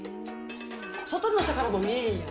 外の人からも見えへんやん。